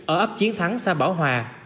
ở ấp chiến thắng xa bảo hòa